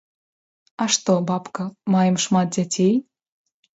А што, бабка, маем шмат дзяцей?